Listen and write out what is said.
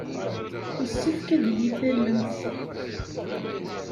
Yessefk ad iyi-tallemt.